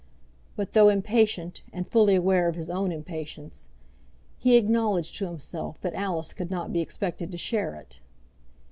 But though impatient, and fully aware of his own impatience, he acknowledged to himself that Alice could not be expected to share it.